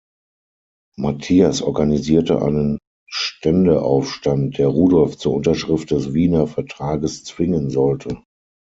Matthias organisierte einen Ständeaufstand, der Rudolf zur Unterschrift des Wiener Vertrages zwingen sollte.